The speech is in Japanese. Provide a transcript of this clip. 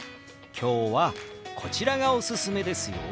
今日はこちらがおすすめですよ。